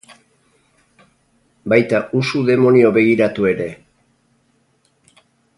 Baita usu demonio begiratu ere.